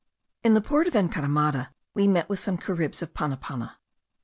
In the port of Encaramada we met with some Caribs of Panapana.